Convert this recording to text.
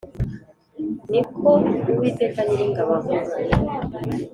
Ni ko Uwiteka Nyiringabo avuga